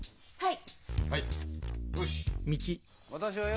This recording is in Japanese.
はい。